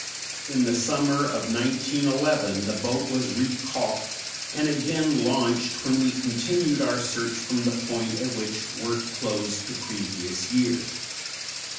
In the summer of 1911 the boat was recalked and again launched when we continued our search from the point at which work closed the previous year.